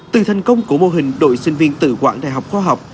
từ thành công của mô hình đội sinh viên tự quản đại học khoa học